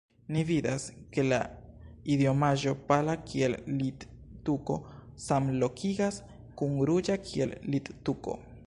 Ni vidas, ke la idiomaĵo pala kiel littuko samlogikas kun ruĝa kiel littuko.